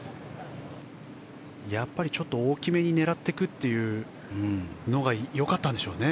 やっぱり大きめに狙っていくというのが良かったんでしょうね。